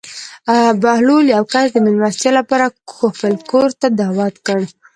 بهلول یو کس د مېلمستیا لپاره خپل کور ته دعوت کړ.